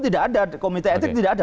tidak ada komite etik tidak ada